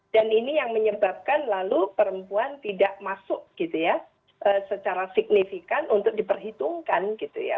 ini yang menyebabkan lalu perempuan tidak masuk gitu ya secara signifikan untuk diperhitungkan gitu ya